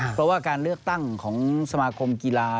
เพราะว่าการเลือกตั้งของสมาคมกีฬา